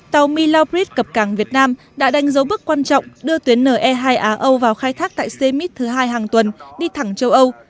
tàu milabrid cập cảng việt nam đã đánh dấu bước quan trọng đưa tuyến ne hai á âu vào khai thác tại semit thứ hai hàng tuần đi thẳng châu âu